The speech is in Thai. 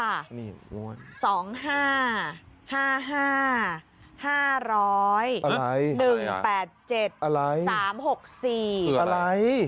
อะไรอะไรอะไรอะไรอะไรอะไรอะไรอะไรอะไร